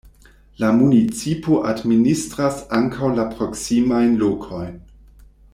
La municipo administras ankaŭ la proksimajn lokojn.